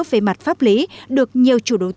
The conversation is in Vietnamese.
về mặt pháp lý được nhiều chủ đầu tư quan tâm